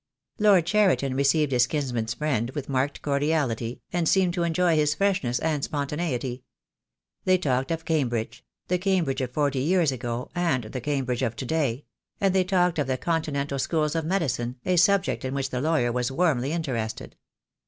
Lord Cheriton received his kinsman's friend with marked cordiality, and seemed to enjoy his freshness and spontaneity. They talked of Cambridge — the Cambridge of forty years ago and the Cambridge of to day — and they talked of the continental schools of medicine, a subject in which the lawyer was warmly interested.